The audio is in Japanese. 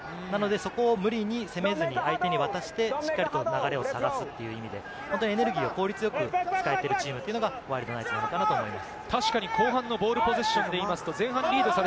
そこを無理に攻めずに相手に渡して、しっかり流れを探すという意味でエネルギーを効率よく使えているチームというのがワイルドナイツなのかと思います。